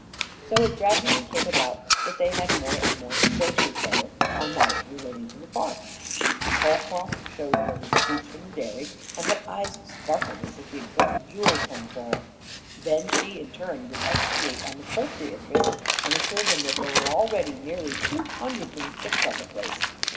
So it gradually came about that they had more and more to say to each other on matters relating to the farm. Holcroft showed her the receipts from the dairy, and her eyes sparkled as if he had brought jewels home to her. Then she in turn would expatiate on the poultry interests and assure him that there were already nearly two hundred little chicks on the place.